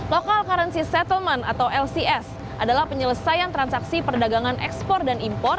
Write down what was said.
local currency settlement atau lcs adalah penyelesaian transaksi perdagangan ekspor dan impor